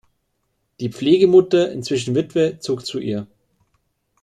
Die Pflegemutter, inzwischen Witwe, zog zu ihr.